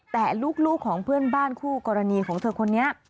แต่ลูกของเพื่อนบ้านคู่กรณีของเธอคนนี้